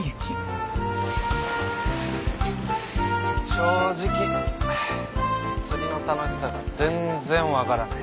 正直釣りの楽しさが全然わからない。